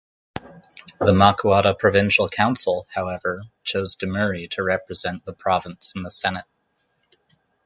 The Macuata Provincial Council, however, chose Dimuri to represent the province in the Senate.